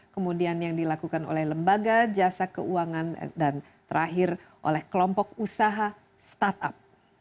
kemudian yang dilakukan oleh lembaga jasa keuangan dan terakhir oleh kelompok usaha startup